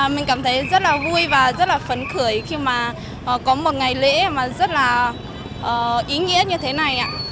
mình cảm thấy rất là vui và rất là phấn khởi khi mà có một ngày lễ mà rất là ý nghĩa như thế này ạ